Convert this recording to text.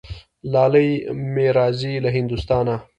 لالی مي راځي له هندوستانه